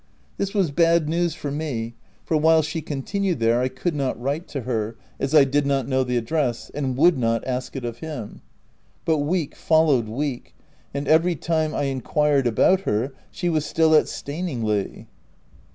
This was bad news for me, for while she continued there, I could not write to her, as I did not know the address, and would not ask it of him. But week fol lowed week, and every time I enquired about her she was still at Staningley.